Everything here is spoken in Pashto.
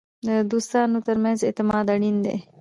د دوستانو ترمنځ اعتماد اړین دی.